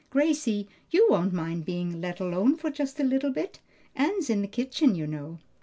Gracie, you won't mind being left alone for just a little bit? Ann's in the kitchen, you know."